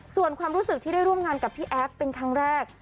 ส่วนความรู้สึกที่ได้ร่วมงานกับพี่แอฟเป็นครั้งแรก